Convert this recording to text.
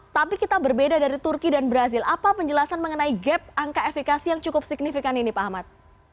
tapi kita berbeda dari turki dan brazil apa penjelasan mengenai gap angka efekasi yang cukup signifikan ini pak ahmad